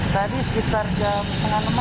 tadi sekitar jam tengah tengah